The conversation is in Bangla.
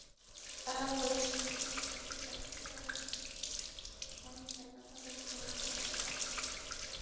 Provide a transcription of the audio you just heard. তঁারা বলেছেন, দেশের মানুষের অনেক টাকা, তঁাদের খরচ করার জায়গা নেই।